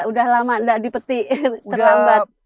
sudah lama tidak dipetik terlambat